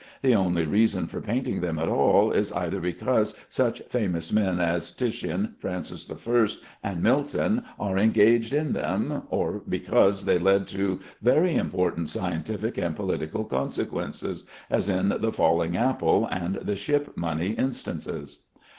The only reason for painting them at all is either because such famous men as Titian, Francis I, and Milton are engaged in them, or because they led to very important scientific and political consequences, as in the falling apple and the ship money instances.